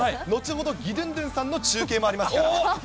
後ほど義ドゥンドゥンさんの中継もありますから。